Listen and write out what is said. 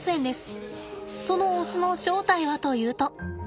そのオスの正体はというと。